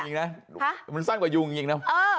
มันสั้นกว่ายุ่งมากยังเนี่ย